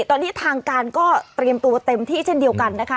ตอนนี้ทางการก็เตรียมตัวเต็มที่เช่นเดียวกันนะคะ